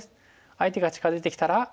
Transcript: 相手が近づいてきたら。